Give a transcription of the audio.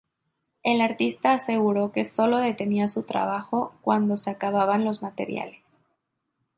El artista aseguró que sólo detenía su trabajo "cuando se acababan los materiales.